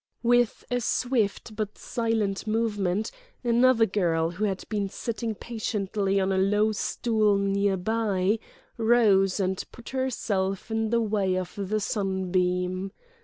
With a swift but silent movement another girl, who had been sitting patiently on a low stool near by, rose and put herself in the way of the sunbeam.